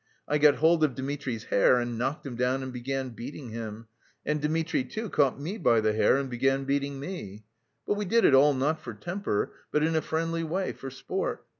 I got hold of Dmitri's hair and knocked him down and began beating him. And Dmitri, too, caught me by the hair and began beating me. But we did it all not for temper but in a friendly way, for sport.